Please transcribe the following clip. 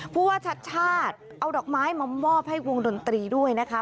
ผู้ว่าชัดชาติเอาดอกไม้มามอบให้วงดนตรีด้วยนะคะ